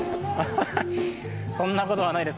そんなことはないです